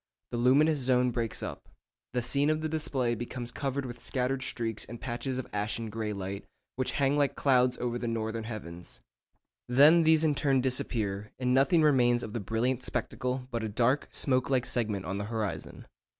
The luminous zone breaks up. The scene of the display becomes covered with scattered streaks and patches of ashen grey light, which hang like clouds over the northern heavens. Then these in turn disappear, and nothing remains of the brilliant spectacle but a dark smoke like segment on the horizon.